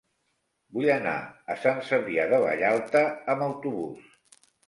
Vull anar a Sant Cebrià de Vallalta amb autobús.